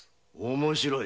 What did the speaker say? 面白い。